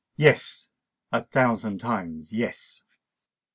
Yes—a thousand times yes!